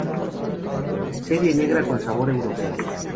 Serie negra con sabor europeo".